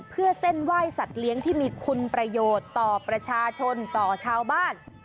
เพื่อเส้นไหว้สัตว์เลี้ยงที่มีคุณประโยชน์ต่อประชาชนต่อชาวบ้าน